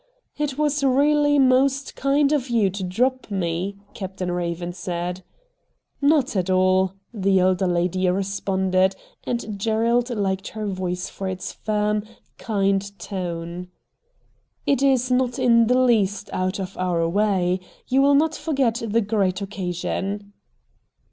' It was really most kind of you to drop me,' Captain Eaven said. ' Not at all,' the elder lady responded, and Gerald liked her voice for its firm, kind tone. ' It is not in the least out of our way. You will not forget the great occasion.'